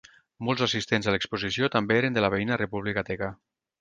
Molts assistents a l'exposició també eren de la veïna República Teca.